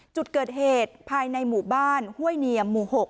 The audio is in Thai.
จุดเกิดเหตุภายในหมู่บ้านห้วยเนียมหมู่๖